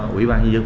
quỹ ban nhân dân